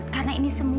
karena ini semua